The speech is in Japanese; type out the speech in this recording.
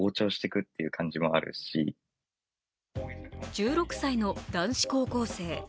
１６歳の男子高校生。